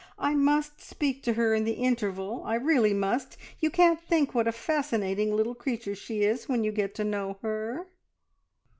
I must speak to her in the interval I really must! You can't think what a fascinating little creature she is when you get to know her."